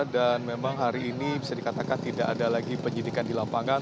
dan memang hari ini bisa dikatakan tidak ada lagi penyidikan di lapangan